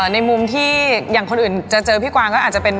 ในมุมที่อย่างคนอื่นจะเจอพี่กวางก็อาจจะเป็น